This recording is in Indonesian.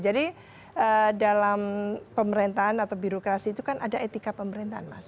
jadi dalam pemerintahan atau birokrasi itu kan ada etika pemerintahan mas